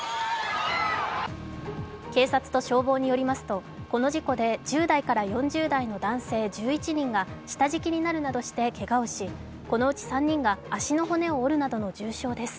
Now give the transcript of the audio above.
警察と消防によりますとこの事故で１０代から４０代の男性１１人が下敷きになるなどしてけがをし、このうち３人が足の骨を折るなどの重傷です。